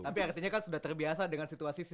tapi artinya kan sudah terbiasa dengan situasi